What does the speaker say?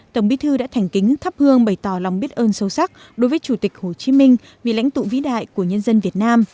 tổng bí thư đã thành kính thắp hương bày tỏ lòng biết ơn sâu sắc đối với chủ tịch hồ chí minh vị lãnh tụ vĩ đại của nhân dân việt nam